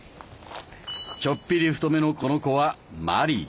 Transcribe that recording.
ちょぴり太めのこの子はマリー。